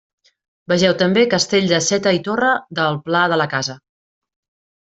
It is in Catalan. Vegeu també castell de Seta i Torre del Pla de la Casa.